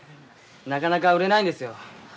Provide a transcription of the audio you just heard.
なかなか売れないんですよ。